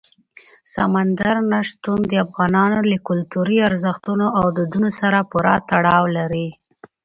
سمندر نه شتون د افغانانو له کلتوري ارزښتونو او دودونو سره پوره تړاو لري.